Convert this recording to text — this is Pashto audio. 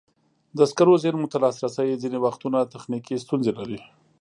د سکرو زېرمو ته لاسرسی ځینې وختونه تخنیکي ستونزې لري.